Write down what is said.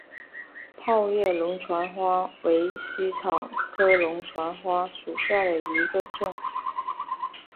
泡叶龙船花为茜草科龙船花属下的一个种。